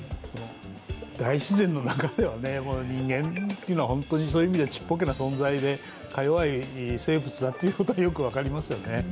大自然の中では人間っていうのは、そういう意味でちっぽけな存在で、か弱い生物だということがよく分かりますよね。